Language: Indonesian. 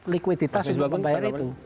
liquiditas untuk membayar itu